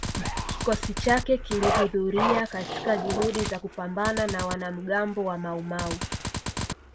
Kikosi chake kilihudhuria katika juhudi za kupambana na wanamgambo wa Maumau